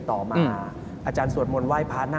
แขกเบอร์ใหญ่ของผมในวันนี้